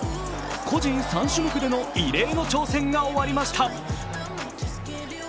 個人３種目での異例の挑戦が終わりました。